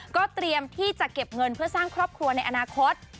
ก็เตรียมที่จะเก็บเงินเพื่อสร้างครอบครัวในอนาคต